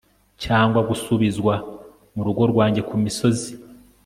cyangwa gusubizwa mu rugo rwanjye ku misozi